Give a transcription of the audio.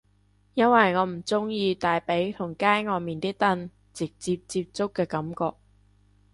因為我唔鍾意大髀同街外面啲凳直接接觸嘅感覺